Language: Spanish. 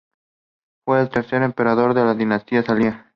Fue el tercer emperador de la Dinastía salia.